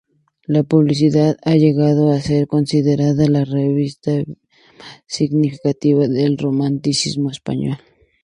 La publicación ha llegado a ser considerada la revista más significativa del Romanticismo español.